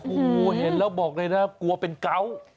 โอ้โหเห็นแล้วบอกเลยนะกลัวเป็นเกาะ